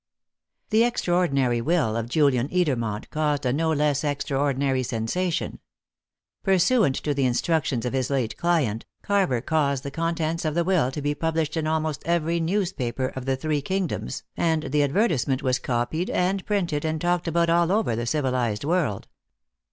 The extraordinary will of Julian Edermont caused a no less extraordinary sensation. Pursuant to the instructions of his late client, Carver caused the contents of the will to be published in almost every newspaper of the three kingdoms, and the advertisement was copied and printed and talked about all over the civilized world.